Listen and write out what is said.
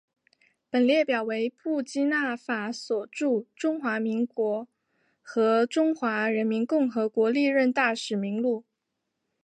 本列表为布基纳法索驻中华民国和中华人民共和国历任大使名录。